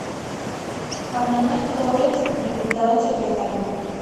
Juan Manuel Torres, diputado secretario.